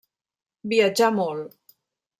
Viatjà molt.